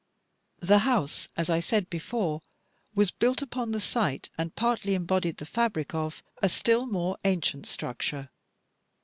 The house, as I said before, was built upon the site and partly embodied the fabric of a still more ancient structure.